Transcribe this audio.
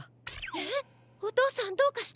えっおとうさんどうかしたの？